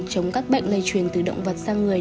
chống các bệnh lây truyền từ động vật sang người